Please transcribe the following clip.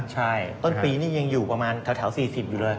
ใช่ต้นปีนี่ยังอยู่ประมาณแถว๔๐อยู่เลย